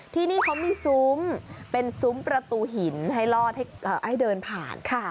ที่นี่เขามีซุ้มเป็นซุ้มประตูหินให้ลอดให้เดินผ่าน